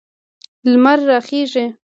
لمر راخیږي